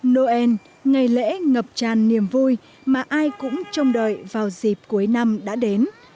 noel ngày lễ ngập tràn niềm vui mà ai cũng trông đợi vào dịp cuối năm đã đến